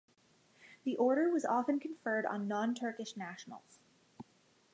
The Order was often conferred on non-Turkish nationals.